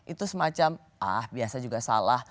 itu semacam ah biasa juga salah